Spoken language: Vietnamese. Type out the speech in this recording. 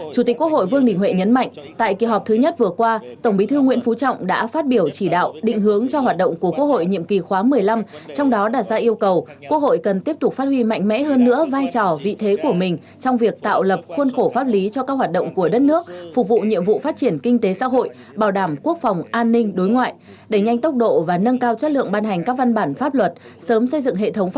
chủ tịch quốc hội vương đình huệ nhấn mạnh tại kỳ họp thứ nhất vừa qua tổng bí thư nguyễn phú trọng đã phát biểu chỉ đạo định hướng cho hoạt động của quốc hội nhiệm kỳ khóa một mươi năm trong đó đặt ra yêu cầu quốc hội cần tiếp tục phát huy mạnh mẽ hơn nữa vai trò vị thế của mình trong việc tạo lập khuôn khổ pháp lý cho các hoạt động của đất nước phục vụ nhiệm vụ phát triển kinh tế xã hội bảo đảm quốc phòng an ninh đối ngoại đẩy nhanh tốc độ và nâng cao chất lượng ban hành các văn bản pháp luật sớm xây dựng hệ thống ph